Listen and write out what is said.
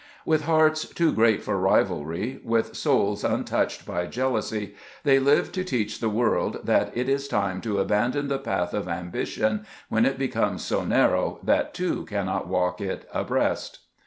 With hearts too great for ri valry, with souls untouched by jealousy, they lived to teach the world that it is time to abandon the path of ambition when it becomes so narrow that two cannot walk it abreast.